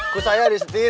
ku saya di setir